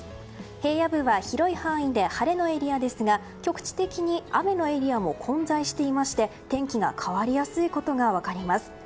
平野部は広い範囲で晴れのエリアですが局地的に雨のエリアも混在していまして天気が変わりやすいことが分かります。